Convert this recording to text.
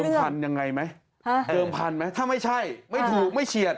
เดิมพันอย่างไรไหมถ้าไม่ใช่ไม่ถูกไม่เชียด